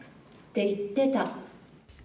て言ってた。